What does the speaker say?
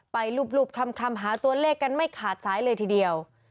ไปรูปคลำหาตัวเลขกันไม่ขาดสายเลยทีเดียว